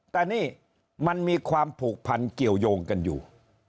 แต่นี่มันมีความผูกพันเกี่ยวยงกันอยู่